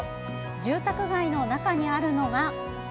住宅街の中にあるのが。